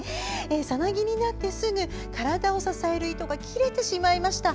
さなぎになってすぐ体を支える糸が切れてしまいました。